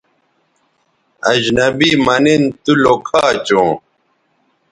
اجنبی مہ نِن تو لوکھا چوں